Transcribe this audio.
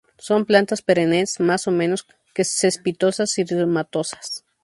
Son plantas perennes, más o menos cespitosas y rizomatosas.